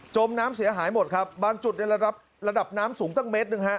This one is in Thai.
มน้ำเสียหายหมดครับบางจุดในระดับระดับน้ำสูงตั้งเมตรหนึ่งฮะ